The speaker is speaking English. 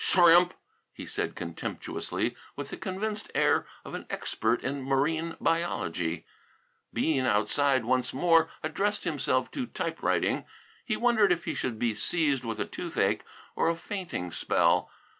"Shrimp!" he said contemptuously, with the convinced air of an expert in marine biology. Bean, outside, once more addressed himself to typewriting. He wondered if he should be seized with a toothache or a fainting spell.